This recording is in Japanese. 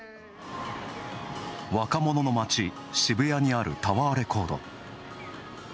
若者の街・渋谷にあるタワーレコード。